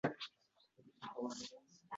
Joylardag‘i mablag‘lar